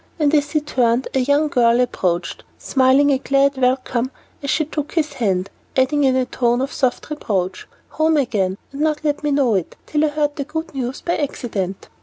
And as he turned, a young girl approached, smiling a glad welcome as she took his hand, adding in a tone of soft reproach, "Home again, and not let me know it, till I heard the good news by accident."